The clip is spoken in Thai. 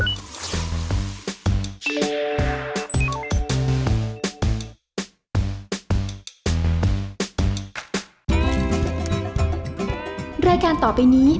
สงัยคดี